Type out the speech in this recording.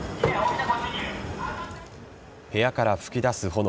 部屋から噴き出す炎。